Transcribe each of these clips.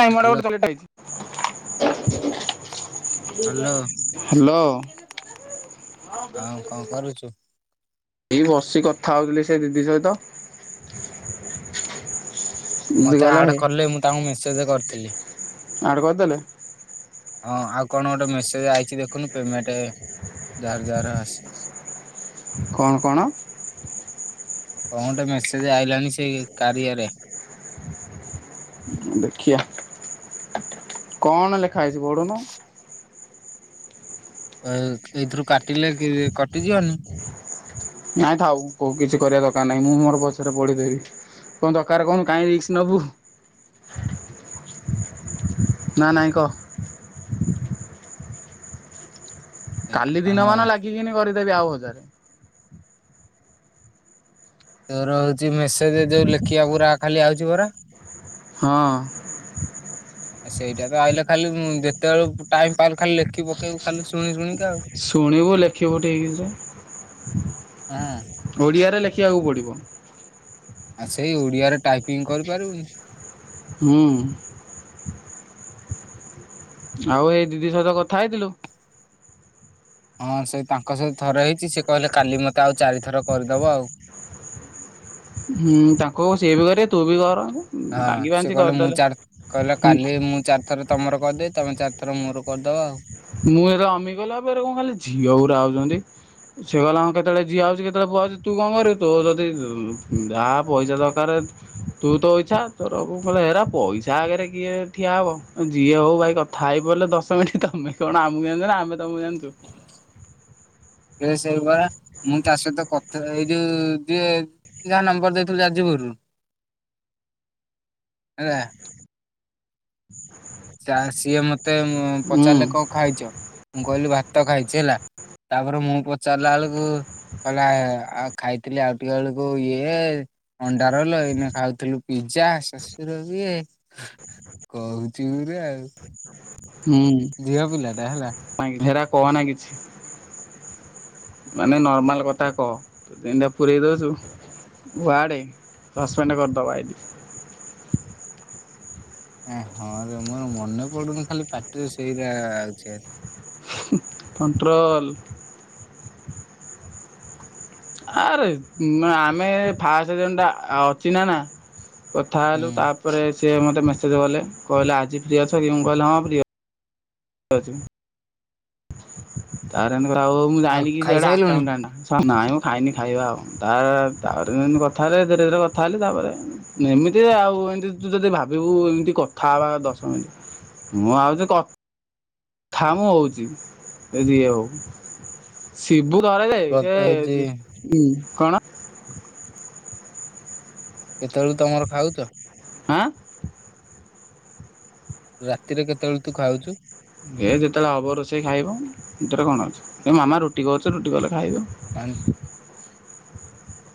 ନାଇଁ ମୋଡ଼ ହ୍ୟାଲୋ ଗୋଟେ ଚଲଟା ହେଇଛି। ହ୍ୟାଲୋ ହାଲୋ ହଁ। ଆଉ କଅଣ କରୁଛୁ। ଏଇ ବସିକି କଥା ହଉଥିଲି ସେ ଦିଦି ସହିତ। ଦିଦି ମତେ କହିଲା ଆଡେ ହେ କଲେ ମୁଁ ତାଙ୍କୁ ମେସେଜେ କରିଥିଲି। ଆଡ୍ କରିଦେଲେ ହଁ ଆଉ କଣ ଗୋଟେ ମେସେଜ ଆଇଚି ଦେଖୁନୁ ପେମେଣ୍ଟ ଯହାର ଯହାର ଆସି କଣ କଣ। କଣ ଗୋଟେ ମେସେଜ ଆଇଲାଣି ସେଇ କାରିଆରେ। ଦେଖିଆ କଣ ଲେଖା ହେଇଚି ପଢୁନୁ। ଏଇଥିରୁ କାଟିଲେ କଟିଯିବନି। ନାଇଁଥାଉ କୋଉ କିଛି କରିବା ଦରକାର ନାହିଁ ମୁଁ ମୋର ପଛରେ ପଢିଦେବି। କଣ ଦରକାର କହୁନୁ କାଇଁ ରିକ୍ସ ନବୁ। ନା ନାଇ କହ। କାଲି ଦିନ ମାନ ହଁ ଲାଗିକିନି କରିଦେବି ଆଉ ହଜାରେ। ତୋର ହୋଉଛି ମେସେଜ ଯୋଉ ଲେଖିବା ପୁରା ଖାଲି ଆଉଚି ପୁରା। ହଁ। [inaudible] ଆ ସେଇଟା ତ ଆଇିଲ ଖାଲି ଯେତେବେଳୁ ଟାଇମ ପାଇଲୁ ଖାଲି ଲେଖି ପକେଇବକୁ ଖାଲି ଶୁଣି ଶୁଣିିକି। ଶୁଣିବୁ ଲେଖିବୁ ଠିକ ଜେ ହଁ ଓଡ଼ିଆରେ ଲେଖିବାକୁ ପଡ଼ିବ। ଆଉ ସେଇ ଓଡିଆରେ ଟାଇପିଂ କରିପାରିବୁ ହୁଁ। ଆଉ ଏଇ ଦିଦି ସହିତ କଥା ହେଇଥିଲୁ। ହଁ ସେ ତାଙ୍କ ସହିତ ଥରେ ହେଇଚି ସେ କହିଲେ କାଲି ମତେ ଆଉ ଚାରି ଥର କରିଦବ ଆଉ। ହୁଁ ତାଙ୍କୁ ସିଏ ବି କରିବେ ତୁ ବି କର। ହଁ ଲାଗି ସେ ପାଞ୍ଚି କହିଲେ ମୁଁ କରିଦେଲେ। ଚାର କହିଲେ କାଲି ମୁଁ ଚାର ଥରେ ତମର କରିଦେବି ତମେ ଚାରିଥର ମୋର କରିଦେବ ଆଉ। ମୁଁ ଏଉରା ଅମିଗଲା ଏରା କଣ ଖାଲି ଝିଅକୁଡା ଆଉଚନ୍ତି। ସିଏ କଲା ଆ କେତେବେଳେ ଯିଆ ହେଉଚି କେତେବେଳେ ପୁଅ ହେଉଚି ତୁ କଣ କରିବୁ ତୁ ଯଦି ଆ ପଇସା ଦରକାର ତୁ ତୋ ଇଛା ତୋର ଏରା ପଇସା ଆଗରେ କିଏ ଠିଆ ହବ ଯିଏ ହୋଉ ଭାଇ କଥା ଥାଇ ପଡିଲେ ଦଶ ମିନିଟ ତମେ କଣ ଆମକୁ ଜାଣିଚ ନା ଅମେ ତମକୁ ଜାଣିଚୁ। ସେଇପା ମୁଁ ତା ସହିତ କଥା ଏଇ ଯୋଉ ଯିଏ ଯାହା ନମ୍ବର ଦେଇଥିଲୁ ଯାଜପୁରରୁ ହେଲା। ଚା ସିଏ ମତେ ହୁଁ ପଚାରିଲେ କଣ ଖାଇଚ ମୁଁ କହିଲି ଭାତ ଖାଇଚି ହେଲା। ତାପରେ ମୁଁ ପଚାରିଲା ବେଳକୁ କହିଲା ଆଉ ଖାଇଥିଲି ଆଉ ଟିକ ବେଳକୁ ଇଏ ଅଣ୍ଡା ରୋଲ୍ ଏଇନା ଖାଉଥିଲୁ ପିଜା ଶଶୁର ବିଏ କୋହୁ। ଚିରୁ ଆଉ। ହୁଁ ଝିଅ ପିଲାଟା ହେଲା। [unintelligible] କହନା କିଛି। ମାନେ ନର୍ମାଲ କଥା କହ ଯେମତିଆ ପୁରେଇ ଦୋଉଚୁ। ୱାଡେ ସସ୍ପେଣ୍ଡ କରିଦବ ଆଇଡି। ଏଁ ହଁ ରେ ମୋର ମନେ ପଡୁନି ଖାଲି ପାଟିରେ ସେଇରା ଆଉଚି ଭାରି। କଣ୍ଟ୍ରୋଲ। ଆରେ ଉଁ ଆମେ ଫାଷ୍ଟ ଦିନଟା ଆ ଅଚିନ୍ନା ନା। କଥା ହେଲୁ ତାପରେ ସିଏ ମୋତେ ମେସେଜ୍ କଲେ କହିଲେ ଆଜି ଫ୍ରୀ ଅଛ କି ମୁଁ କହିଲି ହଁ ଫ୍ରୀ ଅଛି। ତାପରେ ମୁଁ ଆଉ ଜାଣିଲି କି ସେ ଗୋଟେ ଖାଇସାଇଲୁଣି ଆକାଉଣ୍ଟାଟଆ ହଁ ନାଇଁ ମୁଁ ଖାଇନି ଖାଇବା ଆଉ ତା ତାଅରେ ତାପରେ ସେମିତି କଥା ହେଲି ଧୀରେ ଧୀରେ କଥା ହେଲି ତାପରେ ଏମିତି ଆଉ ଏନ୍ତି ତୁ ଯଦି ଭାବିବୁଏମିତି କଥା ହେବା ଦଶମିଣ୍ଟି। ମୁଁ ଆଉଚି କ ଥା ମୁ ହୋଉଚି ଏ ଯିଏ ହୋଉ ଶିବୁ ଧରେ ଯେ ସେ ହଉଛି ବେ ଉଁ କଣ। କେତେବେଳକୁ ତମର ଖାଉଚ। ଆଁ ରାତିରେ କେତେବେଳେ ତୁ ଖାଉଚୁ? ଏ ଯେତେବେଳେ ହବ ରୋଷେଇ ଖାଇବ ସେଥିରେ କଣ ଅଛି, ମାମା ରୁଟି କରୁଚି ରୁଟି କଲେ ଖାଇବ। ପା [unintelligible]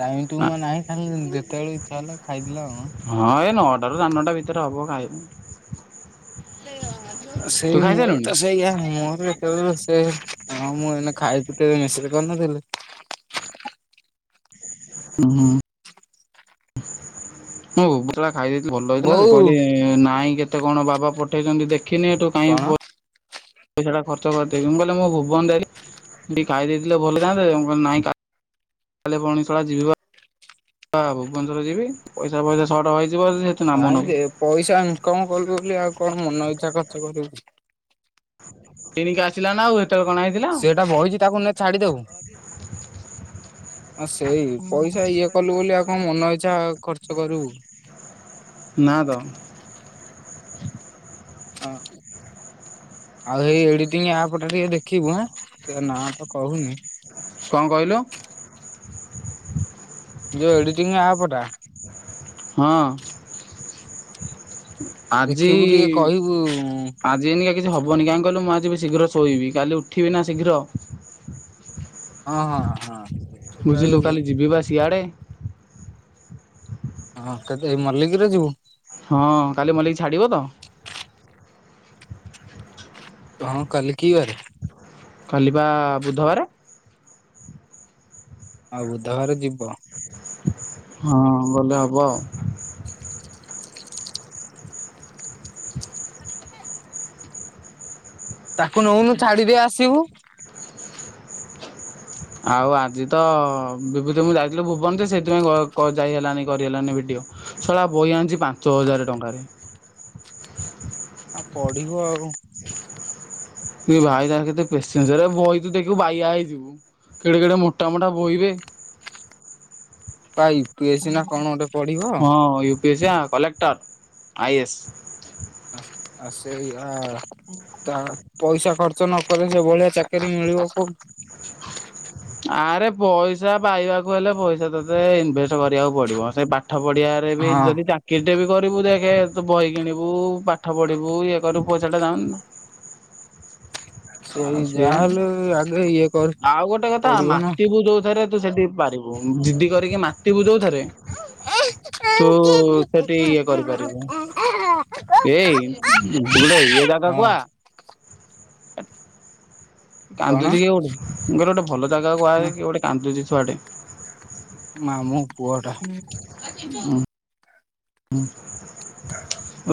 ଟାଇମ ଟୁଉମା ନାହିଁ ଖାଲି ଯେତେବେଳଳେ ଇଛା ହେଲା ଖାଇଦେଲ ଆଉ ଆଁ। ହଁ ଏ ନଅଟାରୁ ସାଡେ ନଅଟା ଭିତରେ ହବ ଖାାଇବୁ। ତୁ ସେଇ ମୋର ଖାଇସାରିଲୁଣି? ତ ସେଇଆ ମୋର [unintelligible] ସେ ହଁ ମୁଁ ଏଇନେ ଖାଇ କି ତତେ ମେସେଜ୍ କରିନଥିଲି? ଉଁ ହୁଁ! ମୁଁ [unintelligible] ଖାଇଦେଇଥିଲି ଭଲ ହେଇଥିଲା ଯେ ବୋଉ କହିଲ ନାଇଁ କେତେ କଣ ବାବା ପଠେଇଛନ୍ତି ଦେଖିନି ଏଠୁ କାଇଁ କଣ? ଫୋନ୍ ପଇସାଟା ଖର୍ଚ୍ଚ କରିଦେବି ମୁଁ କହିଲି ମୁଁ ଭୁବନ ଯାଇଲି ଖାଇ ଦେଇଥିଲେ ଭଲ ହେଇଥାନ୍ତା ଯେ ମୁଁ କହିଲି ନାଇଁ ଖା କାଲି ପୁଣି ସଳା ଷିବି ପା ଭୁବନେଶ୍ୱର ଯିବି ପଇସା ଫଇସା ସଟ୍ ହେଇଯିବ ଯଦି ନାଇଁ ଯେ ପଇସା ଇନକମ୍ କଲୁ ବୋଲି ଆଉ କଣ ମନ ଇଛା ଖର୍ଚ୍ଚ କରିବୁ। କିଣିକି ଆସିଲା ନା ଉ ହେତେବେଳେ କଣ ଆଇଥିଲା? ଟା ବଇଚି ତାକୁ ନେ ଛାଡ଼ିଦବୁ ହଁ ସେଇ ପଇସା ଇଏ କଲୁ ବୋଲି ଆଉ କଣ ମନ ଇଚ୍ଛା ଖର୍ଚ୍ଚ କରିବୁ। ନା ତ ଅଁ ଆଉ ଏଇ ଏଡିଟିଂ ଆପ୍ ଟା ଟିକେ ଦେଖିବୁ ଆଁ ସେ ନାଁ ତ କହୁନି। କଣ କହିଲୁ? ଯୋଉ ଏଡିଟିଂ ଆପ୍ ଟା। ହଁ ଆଜି ଦେଖିବୁ ଟିକେ କହିବୁ ଆଜି ଜିନ୍ ଗା କିଛି ହବନି କାହିଁ କହିଲ ମୁଁ ଆଜି ବି ଶୀଘ୍ର ଶୋଇବି, କାଲି ଉଠିବି ନା ଶୀଘ୍ର। ହଁ ହଁ ହଁ। ସେଟା ବୁଝିଲୁ ବି କାଲି ଯିବିବା ବା ସିଆଡ଼େ। ହଁ କେତେ ଏଇ ମଲ୍ଲିକିରେ ଯିବୁ? ହଁ କାଲି ମଲ୍ଲିକି ଛାଡି଼ବ ତ? ହଁ କାଲି କି ବାରେ? କାଲି ପା ବୁଧବାରେ। ଆଉ ବୁଧବାରେ ଯିବ। ହଁ ଗଲେ ହବ ଆଉ। ତାକୁ ନଉନୁ ଛାଡିଦେଇ ଆସିବୁ। ଆଉ ଆଜି ତ ବିଭୁତି ମୁଁ ଯାଇଥିଲୁ ଭୁବନ ଯେ ସେଥିପାଇଁ ଘ କ ଯାଇ ହେଲାନି କରିହେଲାନି ଭିଡିଓ। ସଲା ବହି ଆଣିଛି ପାଞ୍ଚ ହଜାରେ ଟଙ୍କାରେ। ଆଉ ପଢ଼ିବ ଆଉ। ଭାଇ ତାର କେତେ ପେସେନଜର ବହି ତୁ ଦେଖୁ ବାୟା ହେଇଯିବୁ। କେଡ଼େ କେଡ଼େ ମୋଟାମୋଟା ବହି ବେ ୟୁ ପି ଏ ସି ନା କଣ ଗୋଟେ ପଢିବ ହଁ ୟୁ ପି ଏ ସି ପା କଲେକ୍ଟର ଆଇ ଏ ଏସ୍। ଆ ସେଇଆ ତା ପଇସା ଖର୍ଚ୍ଚ ନ କଲେ ଯେଭଳିଆ ଚାକିରି ମିଳିବ କୋଉଠୁ। ଆରେ ପଇସା ପାଇବାକୁ ହେଲେ ପଇସା ତତେ ଇନଭେଷ୍ଟ୍ କରିବାକୁ ପଡ଼ିବ ସେ ପାଠ ପଢ଼ିବା ପାଇଁ ଏବେ ହଁ। ଯଦି ତାକୁ କିରି ଟେ ବି କରିବୁ ଦେଖେ ତୁ ବହି କିଣିବୁ ପାଠ ପଢ଼ିବୁ ଇଏ କରିବୁ ପଇସା ଟା ଜାଉନିନା ସେଇ ଯାହା ସିଏ ହେଲେ ଆଗେ ଇଏ କର୍ ତା ମାତି ବୁ ଯଉଥିରେ ତୁ ସେଠି ପାରିବୁ ଦଜିଦି କରିକି ମାଟିତୁ ଯଉଥିରେ। ହଁ ତୁ ସେଠି ଇଏ କରିପାରିବୁ। ଏଇ ଗୋଟେ ଇଏ ଜାଗାକୁ ଆ। କଣ କାନ୍ଦୁଚି କିଏ ଗୋଟେ -ଗୋଟେ ଭଲ ଜାଗାକୁ ଆ ହଁ କିଏ ଗୋଟେ କାନ୍ଦୁଚି ଛୁଆ ଟେ। ମାମୁଁ ପୁଅ ଟା। ହଁ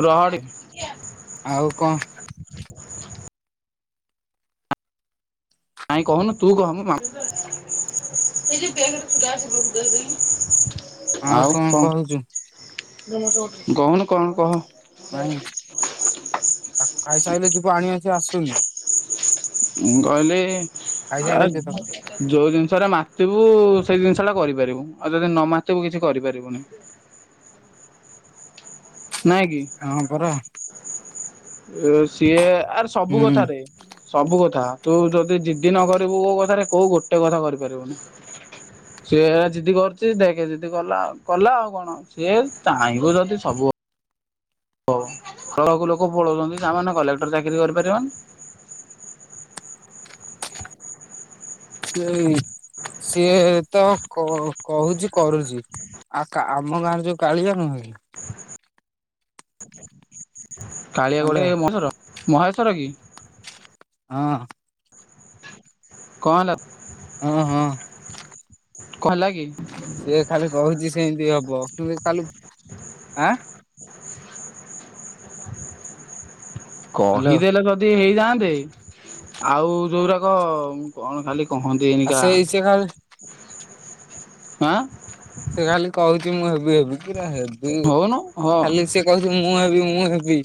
ରହରେ। ଆଉ କଣ୍ କାଇଁ କହୁନୁ ତୁ କହ ମ [inaudible] ଆଉ କଣ୍ ଆଉ କଣ କହୁଛୁ କହୁନୁ କଣ୍- କଣ୍ କହ? ନାଇଁ ତାକୁ ଖାଇସାଇଲେ ଯିବୁ ଆଣିବାକୁ ସିଏ ଆସୁନି। ମୁଁ କହିଲି ଆ ଖାଇସାରିଲେ ଯିଏ ତାକୁ ଯଉ ଜିନିଷଟା ମାତିିବୁ ସେଇ ଜିନିଷ ଟା କରିପାରିବୁ ଆଉ ଯଦି ନ ମାତିିବୁ କିଛି କରିପାରିବୁନି। ନାଇଁ କିି ହଁ ପରା -ସିଏ ଆରେ ସବୁ ହୁଁ କଥାରେ। ସବୁ କଥା ତୁ ଯଦି ଜିଦି ନ କରିବୁ କଉ କଥାରେ କଉ ଗୋଟେ କଥା କରିପାରିବୁନି। ସିଏ ଜିଦି କରୁଚି ଦେଖେ ଜିଦି କଲା- କଲା ଆଉ କଣ। ସିଏ ଚାହ୍ନିବ ଯଦି ସବୁ ହବ। ସବୁ ଲୋକ ପଢୁଚନ୍ତି ତାମାନେ କଲେକ୍ଟର ଚାକିରି କରିପାରିବନି। ସେଇ ସିଏ ତ କ-କହୁଚି କରୁଚି। ଆ- କା- ଆମ ଗାଁରେ ଯଉ କାଳିଆ ନୁହେଁ କି କାଳିଆ ହ୍ୟାଲୋ କଉଟା ଏ-ମହେଶ୍ୱର -ମହେଶ୍ଵର କି? ହଁ। କଣ୍ ହେଲା? ହଁ -ହଁ। କଣ୍ ହେଲା କି? ସିଏ ଖାଲି କହୁଚି ସେମିତି ହବ କିନ୍ତୁ ଖାଲି- ଆଁ- ହଁ ହ୍ୟାଲୋ କହିଦେଲେ ଯଦି ହେଇଯାଆନ୍ତେ ଆଉ ଯଉ ଗୁଡ଼ାକ କଣ ଖାଲି କହନ୍ତି ଆ- ଏନିକା ସେଇ ସେ ଖାଲ୍ ଆଁ- ସେ ଖାଲି କହୁଚି ମୁଁ ହେବି ହେବି। କିରା ହେବି ହଉନୁ ହଁ -ଖାଲି ସିଏ କହୁଚି ମୁଁ ହେବି ମୁଁ ହେବି।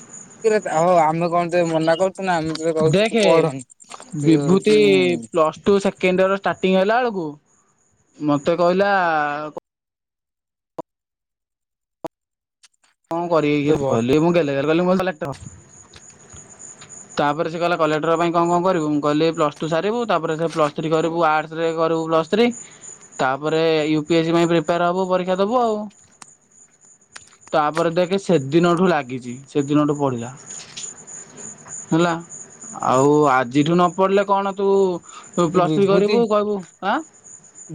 ସେଥିରେ ଅ-ଆମେ କଣ ଯେ ମନା କରୁଚୁ ନା ଆମେ କହୁଚୁ ତୁ ଦେଖେ ପଢ଼ ନି ସେ ହଉଚି ଉଁ- plus two second year starting ହେଲା ବେଳକୁ ମତେ କହିଲା କଣ କରିବି ତୁ କିରେ ବ କହିଲି ମୁଁ ଗେଲେରେ ଗେଲେରେ ମୁଁ କହିଲି କଲେକ୍ଟର୍। ତାପରେ ସେ କହିଲା କଲେକ୍ଟର ପାଇଁ କଣ କଣ କରିବୁ ମୁଁ କହିଲି ପ୍ଲସ ଟୁ ସାରିବୁ ତାପରେ ସେ ପ୍ଲସ୍ ଥ୍ରୀ କରିବୁ ଆର୍ଟସରେ କରିବୁ ପ୍ଲସ୍ ପ୍ଲସ୍ ଥ୍ରୀ ତାପରେ ୟୁ ପି ଏସ୍ ଆଇ ପାଇଁ ପ୍ରିପେୟାର୍ ହବୁ ପରୀକ୍ଷା ଦବୁ ଆଉ। ତାପରେ ଦେଖେ ସେଦିନଠୁ ଲାଗିଚି ସେଦିନଠୁ ପଢ଼ିଲା। ହେଲା ଆଉ ଆଜିଠୁ ନ ପଢିଲେ କଣ ତୁ ତୁ ପ୍ଲସ୍ ଥ୍ରୀ କରିବୁ କହିବୁ ଆଁ-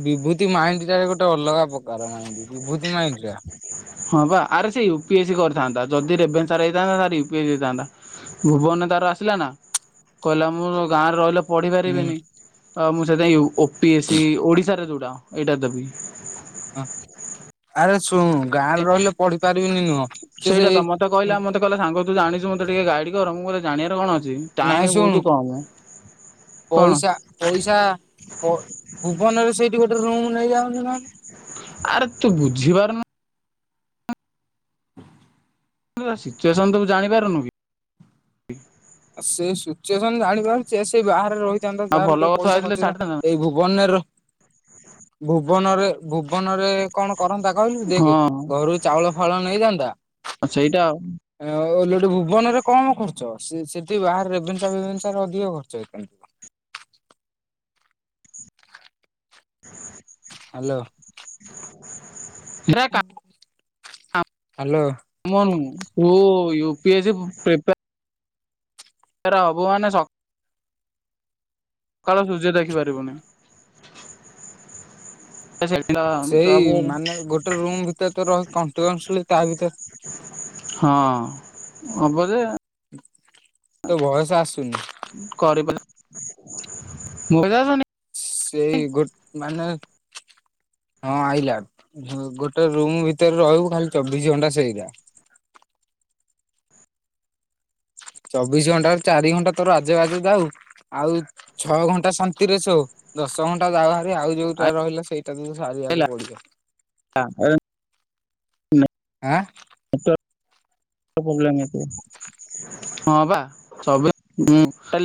ବିଭୂତି ମାଇଣ୍ଡି ଟା ଗୋଟେ ଅଲଗା ପ୍ରକାର ମାଇଣ୍ଡି। ବିଭୂତି ମାଇଣ୍ଡ୍ [inaudible] ହଁ ପା ଆରେ ସେ ୟୁ ପି ଏସ୍ ଇ କରିଥାନ୍ତା ଯଦି ରେଭେନ୍ସା ରେ ହେଇଥାନ୍ତା ତାର ୟୁ ପି ଏସ୍ ଇ ହେଇଥାନ୍ତା ଭୁବନ ରେ ତାର ଆସିଲା ନା କହିଲା ମୁଁ ଗାଁରେ ରହିଲେ ପଢି ହୁଁ ପାରିବିନି ଆ- ମୁଁ ସେଥିପାଇଁ ୟୁ-ଓ ପି ଏସ ସି ଓଡିଶାରେ ଯଉଟା ଏଇଟା ଦେବି। ହଁ -ଆରେ ଶୁଣୁ ଗାଁରେ ରହିଲେ ପଢି ପାରିବିନି ନୁହଁ ସେ ସେଇଟା ତ ସେଇ ମତେ କହିଲା ମତେ କହିଲା ସାଙ୍ଗ ତୁ ଜାଣିଚୁ ମତେ ଟିକେ ଗାଇଡି କର ମୁଁ କହିଲି ଜାଣିବାରେ କଣ ଅଛି। ଟାଇମ ନାହିଁ ବହୁତ ଶୁଣୁ କମ କଣ ପଇସା- ପଇସା ପ-ଭୁବନରେ ସେଇଠି ଗୋଟେ ରୁମ୍ ନେଇଯାଉନୁ ନହେଲେ। ଆରେ ତୁ ବୁଝିିପାରୁନୁ ସିଚୁଏସନ ତୁ ଜାଣିପାରୁନୁ କି। ଆଉ ସେଇ ସିଚୁଏସନ ଜାଣିପାରୁଛି ସେଇ ବାହାରେ ରହି ଆଉ ଯାହାଲେ ଭଲ ଟିକେ ଗଛ ପଇସା ହେଇଥିଲେ ଖର୍ଚ୍ଚ ଛାଡିଥାନ୍ତା ହେଇ ଏଇ ଭୁବନ ର ଭୁବନରେ ଭୁବନରେ କଣ କରନ୍ତା କହିଲୁ ଦେଖ ହଁ ଘରୁ ଚାଉଳ ଫାଉଳ ନେଇଯାଆନ୍ତା। ସେଇଟା ଓଲଟି ଭୁବନରେ କମ ଖର୍ଚ୍ଚ ସେଠି ବାହାରେ ରେଭେନ୍ସା ଫେବେଂସା ରେ ଅଧିକ ଖର୍ଚ୍ଚ ହେଇପାରେ। [inaudible] ହ୍ୟାଲୋ। ନା ହ୍ୟାଲୋ। ତୁ U P S C prepare ତାର ଭୁବନେଶ୍ ସକାଳ ସୂର୍ଯ୍ୟ ଦେଖି ପାରିବୁନି। ସେ ସେଇଦିନ ସେଇ ମାନେ ଗୋଟେ ରୁମ୍ ଭିତରେ ତ ରହ କୋଣ୍ଟୀନୁ୍ଅସଲି ତା ଭିତରେ ହଁ ହବ ଯେ ତ ବୟସ ଆସୁନି। କରିବା [unintelligible] ସେଇ ଗୋଟ ମାନେ ହଁ ଆଇଲା ଗୋଟେ ରୁମ୍ ଭିତରେ ରହିବୁ ଖାଲି ଚବିଶ ଘଣ୍ଟା ସେଇ ଗା ଚବିଶ ଘଣ୍ଟାରୁ ଚାରି ଘଣ୍ଟା ତୋର ଆଜେ ବଜେ ଯାଉ ଆଉ ଛଅ ଘଣ୍ଟା ଶାନ୍ତିରେ ଶୋ। ଦଶ ଘଣ୍ଟା ଯାଉ ବାହାରି ଆଉ ଯୋଉଟା ରହିଲା ସେଇଟା ତୁ ସାରିବାକୁ ପଡିବ। [inaudible] ଆଁ? ତ ପ୍ରୋବ୍ଲେମ ହେଇଥିବ।